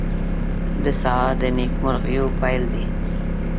سهار د نیکمرغیو پېل دی.